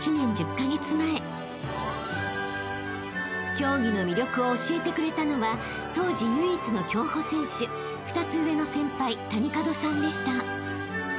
［競技の魅力を教えてくれたのは当時唯一の競歩選手２つ上の先輩谷門さんでした］